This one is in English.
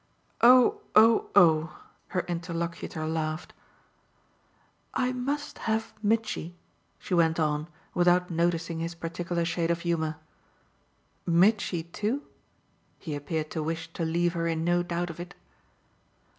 "Oh, oh, oh!" her interlocutor laughed. "I must have Mitchy," she went on without noticing his particular shade of humour. "Mitchy too?" he appeared to wish to leave her in no doubt of it.